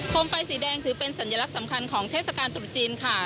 มไฟสีแดงถือเป็นสัญลักษณ์สำคัญของเทศกาลตรุษจีนค่ะ